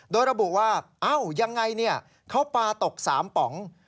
โดยระบุว่าเอ้ายังไงเขาปลาตก๓ป๋อง